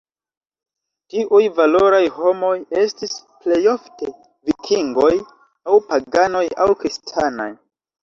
Tiuj "valoraj homoj" estis plejofte vikingoj, aŭ paganoj aŭ kristanaj.